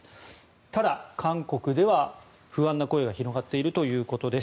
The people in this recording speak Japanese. ただ、韓国では、不安な声が広がっているということです。